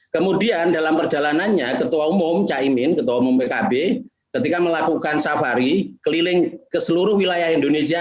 kemudian dalam perjalanannya ketua umum caimin ketua umum pkb ketika melakukan safari keliling ke seluruh wilayah indonesia